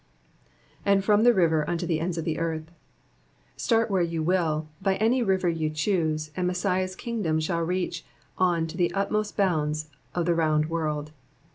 ^'•Aml from the river unto the ends of the earth."*^ Start where you will, by any liver you choose, and Messiah^s kingdom shall reach on to the utmost bounds of the round world.